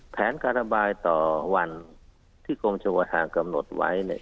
แผนการระบายต่อวันที่กรมชมประธานกำหนดไว้เนี่ย